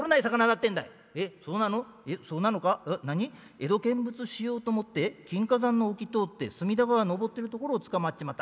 江戸見物しようと思って金華山の沖通って隅田川を上ってるところを捕まっちまった？